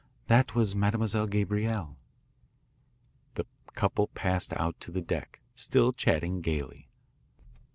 "That was Mademoiselle Gabrielle." The couple passed out to the deck, still chatting gaily.